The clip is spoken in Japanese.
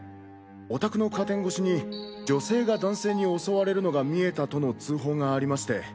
お宅のカーテン越しに女性が男性に襲われるのが見えたとの通報がありまして。